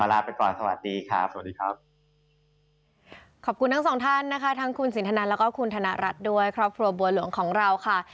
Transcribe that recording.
แล้วก็คุณธนรัฐด้วยครอบครัวบัวหลวงของเราค่ะ